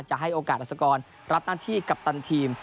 จะให้โอกาสอัศกรรับหน้าที่กัปตันทีม